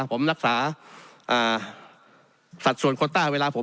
ผมรักษาสัดส่วนโคต้าเวลาผม